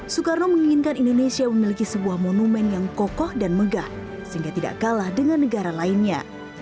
soekarno menginginkan indonesia memiliki sebuah monumen yang kokoh dan megah sehingga tidak kalah dengan negara lainnya